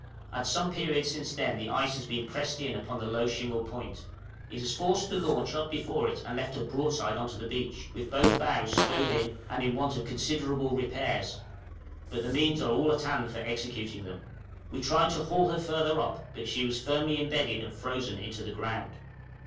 At some period since then the ice has been pressed in upon the low shingle point; it has forced the launch up before it, and left her broadside on to the beach, with both bows stove in, and in want of considerable repairs, but the means are all at hand for executing them. We tried to haul her further up, but she was firmly imbedded and frozen into the ground.